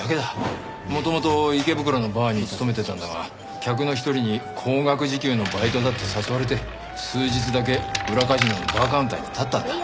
元々池袋のバーに勤めてたんだが客の一人に高額時給のバイトだって誘われて数日だけ裏カジノのバーカウンターに立ったんだ。